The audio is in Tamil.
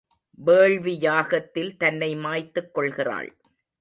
வேள்வி யாகத்தில் தன்னை மாய்த்துக் கொள்கிறாள்.